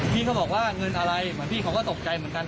พี่ก็บอกว่าเงินอะไรเหมือนพี่เขาก็ตกใจเหมือนกัน